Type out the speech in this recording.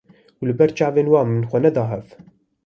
û li ber çavên wan min xwe da hev